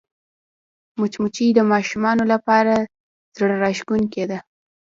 مچمچۍ د ماشومانو لپاره زړهراښکونکې ده